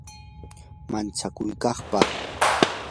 manchakuypaq